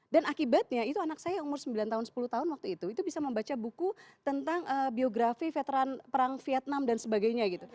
dan akibatnya itu anak saya umur sembilan tahun sepuluh tahun waktu itu itu bisa membaca buku tentang biografi veteran perang vietnam dan sebagainya gitu